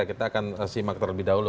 kita akan simak terlebih dahulu